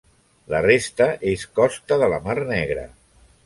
La resta és costa de la Mar Negra.